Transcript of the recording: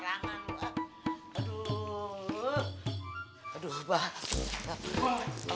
gue makan ke sorok enak aja